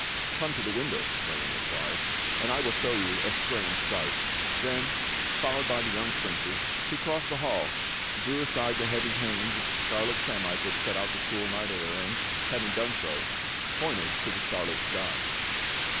"Come to the window," Merlin replied, "and I will show you a strange sight." Then, followed by the young princes, be crossed the hall, drew aside the heavy hangings of scarlet samite that shut out the cool night air, and, having done so, pointed to the starlit sky.